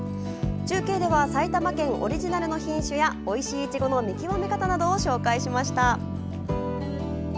中継では埼玉県オリジナルの品種やおいしいいちごの見極め方などを紹介しました。